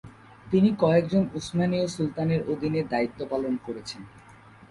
তিনি কয়েকজন উসমানীয় সুলতানের অধীনে দায়িত্বপালন করেছেন।